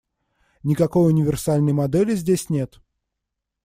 Никакой универсальной модели здесь нет.